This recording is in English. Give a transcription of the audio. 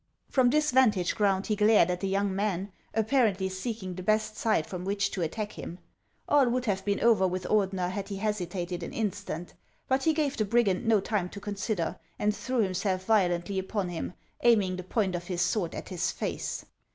From this vantage ground he glared at the young man, apparently seeking the best side from which to attack him. All would have been over with Ordener had he hesitated an instant. But he gave the brigand no time to consider, and threw himself violently upon him, aiming the point of his sword at his face.